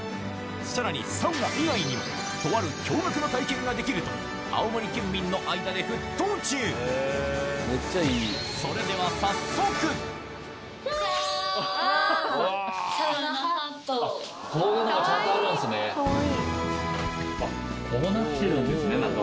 さらにサウナ以外にもとある驚がくの体験ができると青森県民の間で沸騰中こういうのがちゃんとあるんすね。